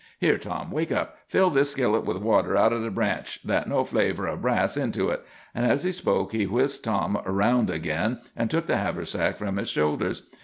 Here, Tom, wake up. Fill this skillet with water out o' the branch, 'thout no flavor o' brass into hit"; and as he spoke he whisked Tom around again, and took the haversack from his shoulders.